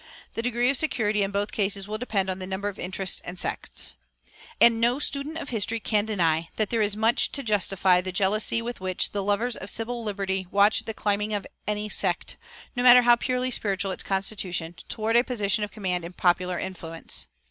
The degree of security in both cases will depend on the number of interests and sects."[402:1] And no student of history can deny that there is much to justify the jealousy with which the lovers of civil liberty watch the climbing of any sect, no matter how purely spiritual its constitution, toward a position of command in popular influence.